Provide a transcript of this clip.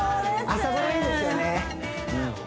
朝風呂いいですよね